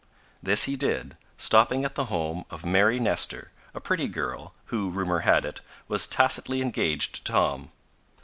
This he did, stopping at the home of Mary Nestor, a pretty girl, who, rumor had it, was tacitly engaged to Tom.